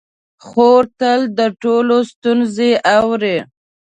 خور تل د ټولو ستونزې اوري.